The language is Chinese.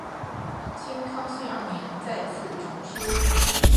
清康熙二年再次重修。